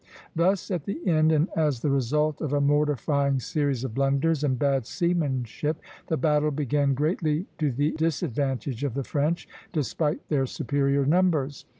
Thus at the end and as the result of a mortifying series of blunders and bad seamanship, the battle began greatly to the disadvantage of the French, despite their superior numbers.